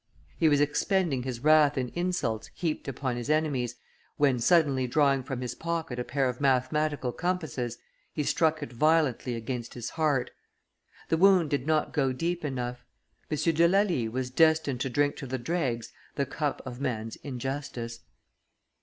He was expending his wrath in insults heaped upon his enemies, when, suddenly drawing from his pocket a pair of mathematical compasses, he struck it violently against his heart; the wound did not go deep enough; M. de Lally was destined to drink to the dregs the cup of man's injustice.